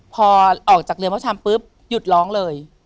พอออกจากเรือนพระชำปุ๊บหยุดร้องเลย